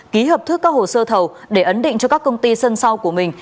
ký hợp thức các hồ sơ thầu để ấn định cho các công ty sân sau của mình